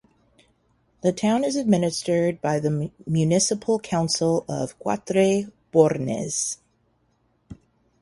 The town is administered by the Municipal Council of Quatre Bornes.